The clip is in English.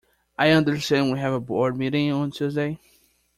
I understand we have a board meeting on Tuesday